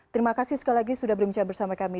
terima kasih sekali lagi sudah berbincang bersama kami